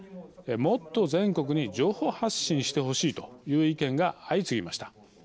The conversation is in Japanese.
もっと全国に情報発信してほしいという意見が相次ぎました。